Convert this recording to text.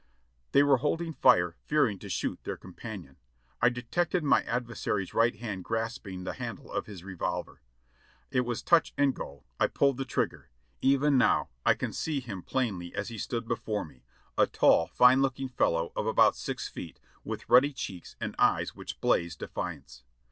They were holding fire, fearing to shoot their companion. 1 detected my adversary's right hand grasp ing the handle of his revolver. It was a touch and go; I pulled trigger. Even now I can see him plainly as he stood before me, a tall, fine looking fellow of about six feet, with ruddy cheeks and €yes which blazed defiance.